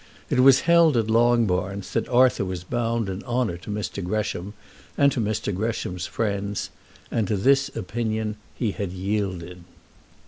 It was held at Longbarns that Arthur was bound in honour to Mr. Gresham and to Mr. Gresham's friends, and to this opinion he had yielded.